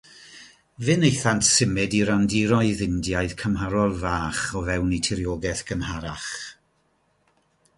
Fe wnaethant symud i randiroedd Indiaidd cymharol fach o fewn eu tiriogaeth gynharach.